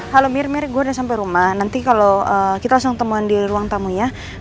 halo mir mir gue udah sampe rumah nanti kalo kita langsung ketemuan di ruang tamunya